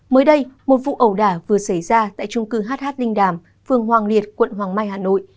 mới đây một vụ ẩu đả vừa xảy ra tại trung cư hh linh đàm phường hoàng liệt quận hoàng mai hà nội